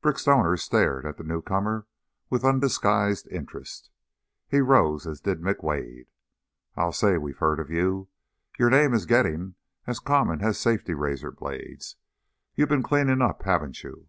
Brick Stoner stared at the newcomer with undisguised interest. He rose, as did McWade. "I'll say we've heard of you. Your name's getting as common as safety razor blades. You've been cleaning up, haven't you?"